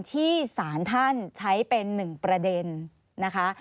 ที่สารท่านใช้เป็นหนึ่งประเด็นนะคะ